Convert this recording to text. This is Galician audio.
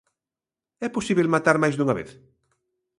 É posíbel matar máis dunha vez?